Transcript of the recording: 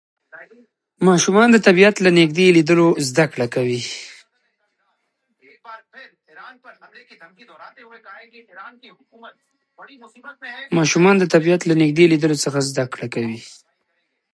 ماشومان د طبیعت له نږدې لیدلو زده کړه کوي